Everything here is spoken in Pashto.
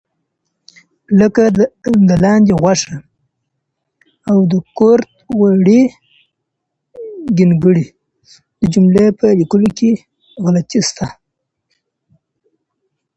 لکه د لاندې غوښه، د کورت غوړي، ګینګړي.